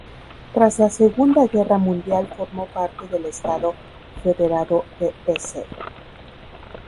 Tras la Segunda Guerra Mundial formó parte del estado federado de Hesse.